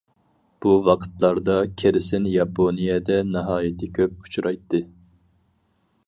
بۇ ۋاقىتلاردا كىرسىن ياپونىيەدە ناھايىتى كۆپ ئۇچرايتتى.